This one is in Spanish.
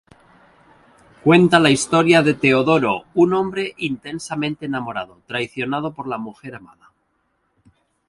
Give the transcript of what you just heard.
Cuenta la historia de Teodoro, un hombre intensamente enamorado, traicionado por la mujer amada.